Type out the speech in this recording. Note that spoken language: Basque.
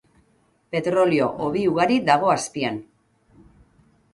Petrolio hobi ugari dago azpian.